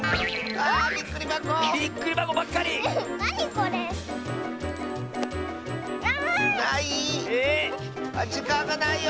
あっじかんがないよ！